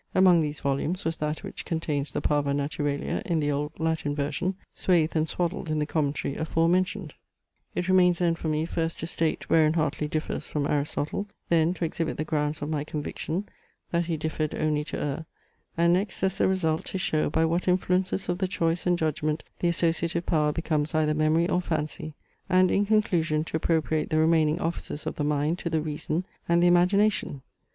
Among these volumes was that which contains the Parva Naturalia, in the old Latin version, swathed and swaddled in the commentary afore mentioned It remains then for me, first to state wherein Hartley differs from Aristotle; then, to exhibit the grounds of my conviction, that he differed only to err: and next as the result, to show, by what influences of the choice and judgment the associative power becomes either memory or fancy; and, in conclusion, to appropriate the remaining offices of the mind to the reason, and the imagination.